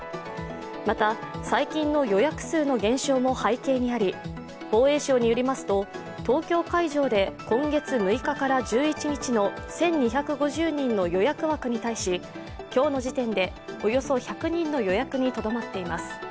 また、最近の予約数の減少も背景にあり防衛省によりますと東京会場で今月６日から１１日の１２５０人の予約枠に対し今日の時点でおよそ１００人の予約にとどまっています。